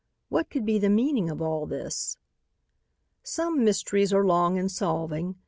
What could be the meaning of all this. Some mysteries are long in solving.